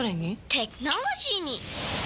テクノロジーに！